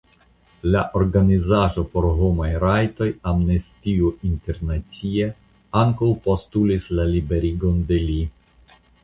La organizaĵo por homaj rajtoj Amnestio Internacia ankaŭ postulis la liberigon de li.